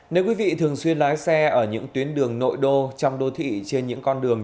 nếu quý vị thường xuyên lái xe ở những tuyến đường nội đô trong đô thị trên những con đường